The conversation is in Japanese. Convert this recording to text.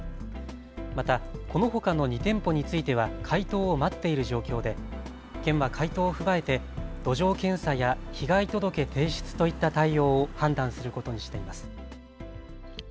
また、このほかの２店舗については回答を待っている状況で県は回答を踏まえて土壌検査や被害届提出といった対応を判断することにしています。